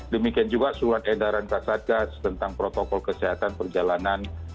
demikian juga surat edaran kasatgas tentang protokol kesehatan perjalanan